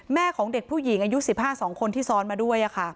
แม่ของเด็กผู้หญิงอายุสิบห้าสองคนที่ซ้อนมาด้วยอ่ะค่ะ